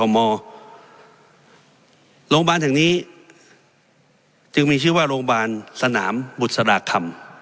โรงพยาบาลแห่งนี้จึงมีชื่อว่าโรงพยาบาลสนามบุษราคำ